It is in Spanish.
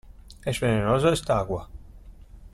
¿ es venenosa esta agua?